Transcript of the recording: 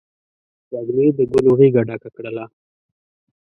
وږمې د ګلو غیږه ډکه کړله